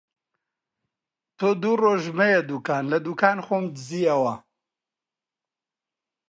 تۆ دوو ڕۆژ مەیە دووکان! لە دووکان خۆم دزییەوە